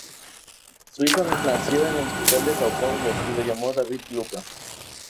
Su hijo nació en el Hospital de São Paulo y lo llamó David Lucca.